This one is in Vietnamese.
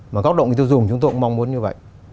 mà góc độ người tiêu dùng chúng tôi cũng mong muốn như vậy